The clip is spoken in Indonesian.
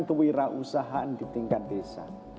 kewirausahaan di tingkat desa